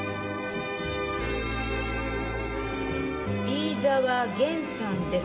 飯沢元さんですか。